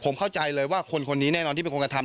ผมเข้าใจเลยว่าคนคนนี้แน่นอนที่เป็นคนกระทำ